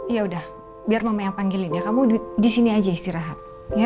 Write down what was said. iya udah biar mama yang panggilin ya kamu disini aja istirahat